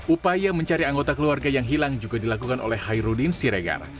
upaya mencari anggota keluarga yang hilang juga dilakukan oleh hairudin siregar